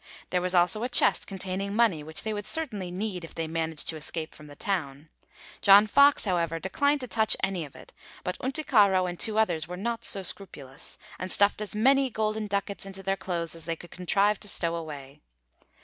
There was also a chest containing money which they would certainly need, if they managed to escape from the town. John Fox, however, declined to touch any of it, but Unticaro and two others were not so scrupulous, and stuffed as many golden ducats into their clothes as they could contrive to stow away.